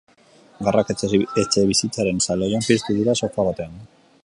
Garrak etxebizitzaren saloian piztu dira, sofa batean.